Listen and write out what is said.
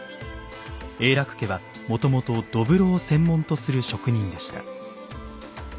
永樂家はもともと土風炉を専門とする職人でした。